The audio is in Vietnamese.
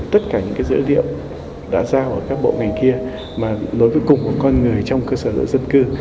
tất cả những dữ liệu đã giao vào các bộ ngành kia mà nối với cùng một con người trong cơ sở dữ dân cư